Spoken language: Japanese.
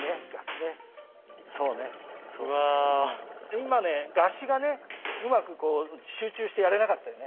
今ね合撃がねうまくこう集中してやれなかったよね。